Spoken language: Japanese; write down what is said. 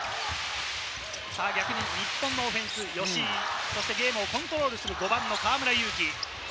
日本のオフェンス・吉井、そしてゲームをコントロールする５番の河村勇輝。